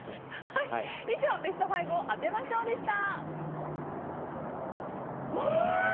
以上ベスト５を当てましょうでした。